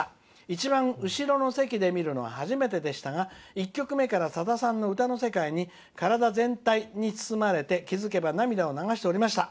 一番後ろの席で見るのは初めてでしたが１曲目からさださんの歌声に包まれて気付けば涙を流しておりました。